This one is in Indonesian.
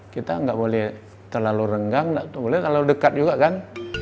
kita nggak boleh terlalu renggang boleh terlalu dekat juga kan